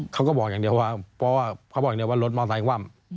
เขาก็บอกอย่างเดียวว่ารถมอสไทยคว่ำ